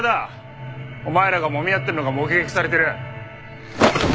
お前らがもみ合ってるのが目撃されてる。